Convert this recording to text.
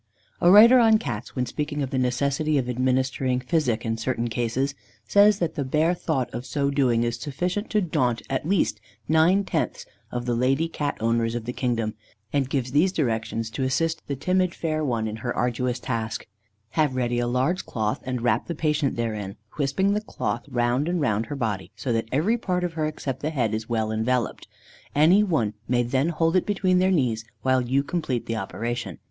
_ A writer on Cats, when speaking of the necessity of administering physic in certain cases, says that the bare thought of so doing is sufficient to daunt at least nine tenths of the lady Cat owners of the kingdom; and gives these directions to assist the timid fair one in her arduous task: "Have ready a large cloth and wrap the patient therein, wisping the cloth round and round her body, so that every part of her, except the head, is well enveloped. Any one may then hold it between their knees, while you complete the operation.